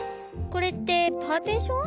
これってパーティション？